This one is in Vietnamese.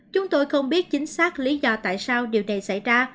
chúng tôi không biết chính xác lý do tại sao điều này xảy ra